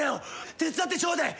手伝ってちょうでえ。